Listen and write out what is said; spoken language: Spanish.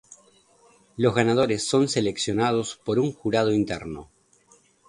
Los ganadores son seleccionados por un jurado interno.